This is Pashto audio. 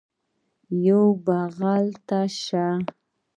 یوه بغل ته شه